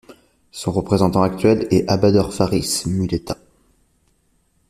Son représentant actuel est Abader Faris Muleta.